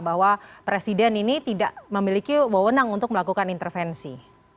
bahwa presiden ini tidak memiliki wewenang untuk melakukan intervensi